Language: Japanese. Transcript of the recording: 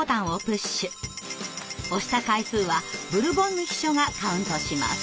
押した回数はブルボンヌ秘書がカウントします。